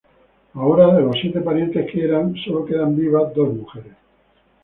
Ahora, de los siete parientes que eran, sólo están vivas dos mujeres.